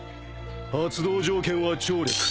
発動条件は聴力。